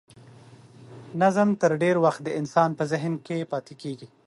نظم تر ډېر وخت د انسان په ذهن کې پاتې کیږي.